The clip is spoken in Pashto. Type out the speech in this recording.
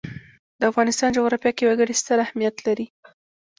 د افغانستان جغرافیه کې وګړي ستر اهمیت لري.